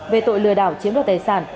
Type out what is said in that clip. về tội lừa đảo chiếm đoạt tài sản